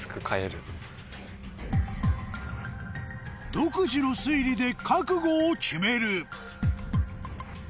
独自の推理で覚悟を決める